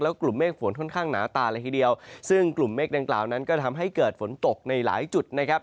กลุ่มเมฆฝนค่อนข้างหนาตาเลยทีเดียวซึ่งกลุ่มเมฆดังกล่าวนั้นก็ทำให้เกิดฝนตกในหลายจุดนะครับ